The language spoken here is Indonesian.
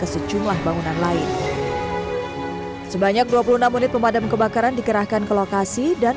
sejumlah bangunan lain sebanyak dua puluh enam menit pemadam kebakaran dikerahkan ke lokasi dan